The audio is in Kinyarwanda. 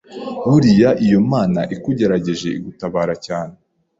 Buriya iyo Imana ikugerageje igutabara cyane